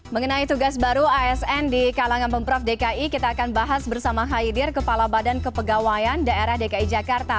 mengenai tugas baru asn di kalangan pemprov dki kita akan bahas bersama haidir kepala badan kepegawaian daerah dki jakarta